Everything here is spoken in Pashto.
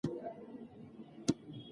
زيار وباسه ترڅو بريالی سې